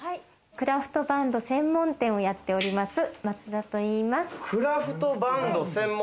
クラフトバンド専門店をやっております、松田といいます。